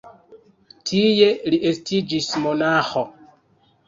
Tie li estiĝis monaĥo.